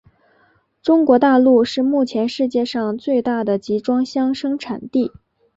中国大陆是目前世界上最大的集装箱生产地。